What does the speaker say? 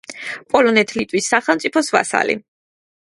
პოლონეთ-ლიტვის სახელმწიფოს ვასალი.